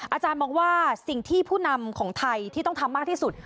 อาจารย์มองว่าสิ่งที่ผู้นำของไทยที่ต้องทำมากที่สุด